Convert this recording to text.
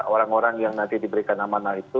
orang orang yang nanti diberikan amanah itu